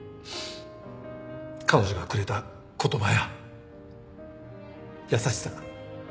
彼女がくれた言葉や優しさ。